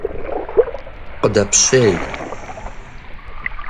Къыдэпщей!